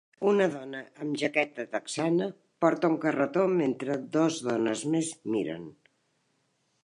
Una dona amb jaqueta texana porta un carretó mentre dos dones més miren.